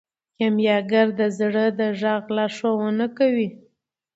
کیمیاګر د زړه د غږ لارښوونه کوي.